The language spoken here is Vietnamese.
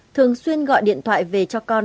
thường xuyên gọi điện thoại về cho con